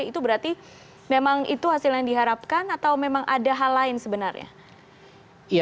itu berarti memang itu hasil yang diharapkan atau memang ada hal lain sebenarnya